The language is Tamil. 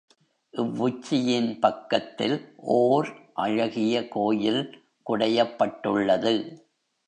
இவ்வுச்சியின் பக்கத்தில் ஓர் அழகிய கோயில் குடையப்பட்டுள்ளது.